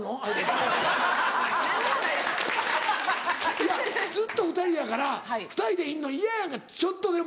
いやずっと２人やから２人でいんの嫌やんかちょっとでも。